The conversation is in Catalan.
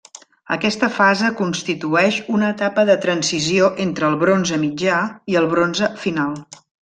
Aquesta fase constitueix una etapa de transició entre el bronze mitjà i el bronze final.